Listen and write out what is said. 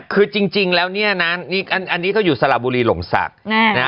คือจริงแล้วเนี่ยนะอันนี้เขาอยู่สระบุรีหลงศักดิ์